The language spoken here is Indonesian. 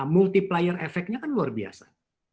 multiplier efeknya kan luar biasa